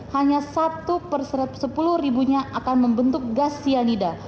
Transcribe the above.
hanya satu per sepuluh ribunya akan membentuk gas cyanida